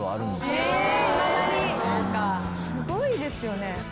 すごいですよね。